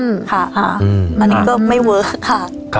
อันนี้ก็ไม่เวิร์คค่ะ